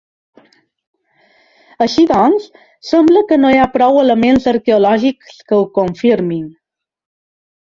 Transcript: Així doncs, sembla que no hi ha prou elements arqueològics que ho confirmin.